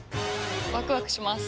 ワクワクします。